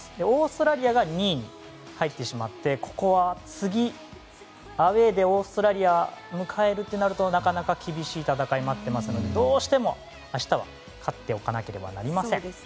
オーストラリアが２位に入ってしまってここは次、アウェーでオーストラリアを迎えるとなると、なかなか厳しい戦いが待ってますのでどうしても明日は勝っておかなければなりません。